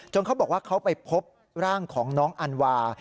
เขาบอกว่าเขาไปพบร่างของน้องอันวา